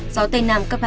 gió tây nam cấp hai ba